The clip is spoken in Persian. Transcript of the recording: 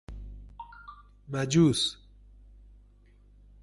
مجوس